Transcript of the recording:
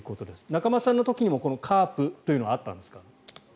仲正さんの時にもこのカープというのはあったんですか？